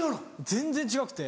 全然違くて。